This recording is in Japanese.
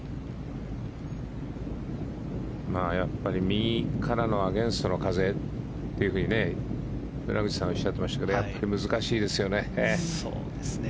右からのアゲンストの風というふうに村口さんおっしゃっていましたが難しいですよね。